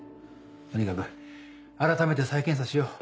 とにかく改めて再検査しよう。